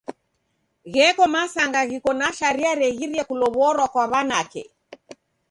Gheko masanga ghiko na sharia reghiria kulow'orwa kwa w'anake.